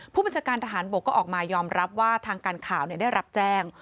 ผู้บัญชาการทหารบกก็ออกมายอมรับว่าทางการข่าวได้รับแจ้ง